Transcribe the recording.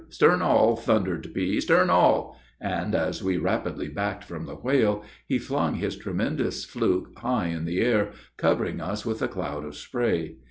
"Stern all!" thundered P . "Stern all!" And, as we rapidly backed from the whale, he flung his tremendous fluke high in the air, covering us with a cloud of spray.